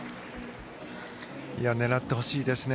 狙ってほしいですね。